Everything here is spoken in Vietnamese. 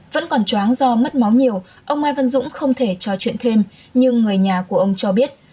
vẫn còn choáng do mất máu nhiều ông mai văn dũng không thể trò chuyện thêm nhưng người nhà của ông cho biết